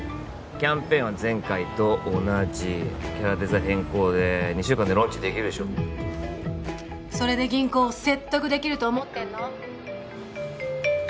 キャンペーンは前回と同じキャラデザ変更で２週間でローンチできるでしょそれで銀行を説得できると思ってんの？